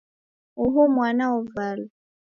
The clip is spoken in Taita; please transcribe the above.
Uhu mwana wovalwa .